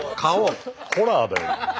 ホラーだよ。